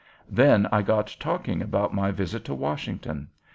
Then I got talking about my visit to Washington.